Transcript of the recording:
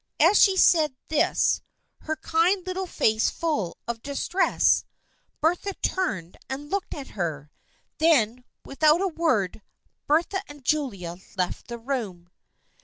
As she said this, her kind little face full of dis tress, Bertha turned and looked at her. Then without a word, Bertha and Julia left the room.